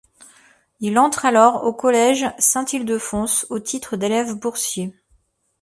Il entre alors au collège Saint-Ildefonse, au titre d'élève boursier.